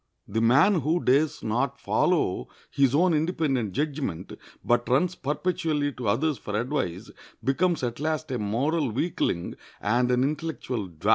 The man who dares not follow his own independent judgment, but runs perpetually to others for advice, becomes at last a moral weakling and an intellectual dwarf.